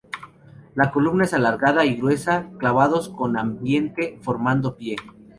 La columna es alargada y gruesa, clavados con ambiente formando pie.